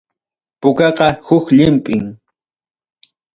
Pukaqa huk llinpim.